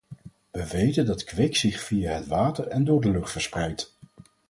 We weten dat kwik zich via het water en door de lucht verspreidt.